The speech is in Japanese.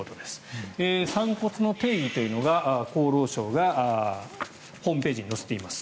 散骨の定義というのが、厚労省がホームページに載せています。